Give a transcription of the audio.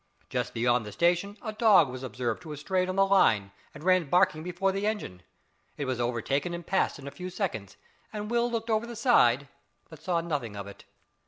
Just beyond the station a dog was observed to have strayed on the line, and ran barking before the engine. It was overtaken and passed in a few seconds, and Will looked over the side but saw nothing of it.